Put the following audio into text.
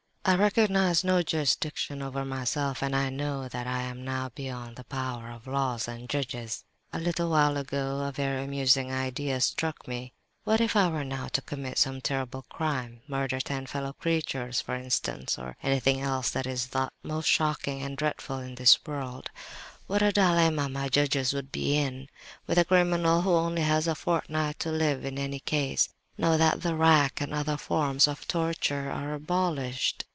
"I recognize no jurisdiction over myself, and I know that I am now beyond the power of laws and judges. "A little while ago a very amusing idea struck me. What if I were now to commit some terrible crime—murder ten fellow creatures, for instance, or anything else that is thought most shocking and dreadful in this world—what a dilemma my judges would be in, with a criminal who only has a fortnight to live in any case, now that the rack and other forms of torture are abolished!